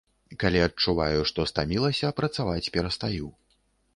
Калі адчуваю, што стамілася, працаваць перастаю.